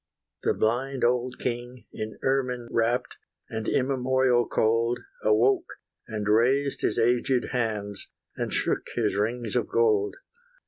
The blind old king, in ermine wrapt. And immemorial cold, Awoke, and raised his aged hands, And shook his rings of gold.